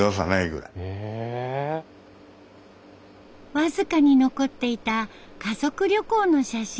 僅かに残っていた家族旅行の写真。